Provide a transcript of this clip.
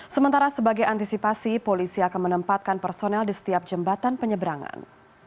sementara sebagai antisipasi polisi akan menempatkan personel di setiap jembatan penyeberangan